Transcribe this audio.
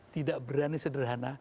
tidak berani sederhana